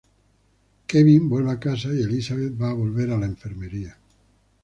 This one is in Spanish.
Kevin vuelve a casa y Elizabeth va a volver a la enfermería.